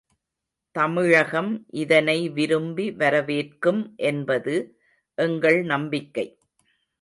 தமிழகம் இதனை விரும்பி வரவேற்கும் என்பது எங்கள் நம்பிக்கை.